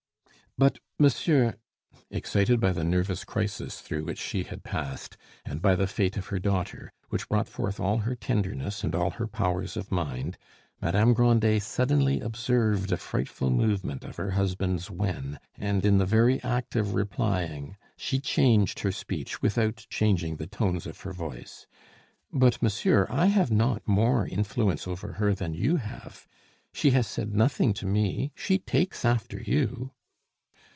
"But, monsieur " Excited by the nervous crisis through which she had passed, and by the fate of her daughter, which brought forth all her tenderness and all her powers of mind, Madame Grandet suddenly observed a frightful movement of her husband's wen, and, in the very act of replying, she changed her speech without changing the tones of her voice, "But, monsieur, I have not more influence over her than you have. She has said nothing to me; she takes after you."